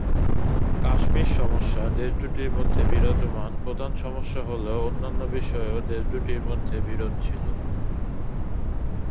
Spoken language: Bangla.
কাশ্মীর সমস্যা দেশ দু'টির মধ্যে বিরাজমান প্রধান সমস্যা হলেও অন্যান্য বিষয়েও দেশ দু'টির মধ্যে বিরোধ ছিল।